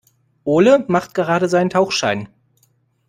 Ole macht gerade seinen Tauchschein.